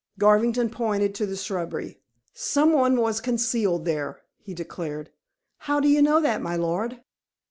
Garvington pointed to the shrubbery. "Someone was concealed there," he declared. "How do you know, that, my lord?"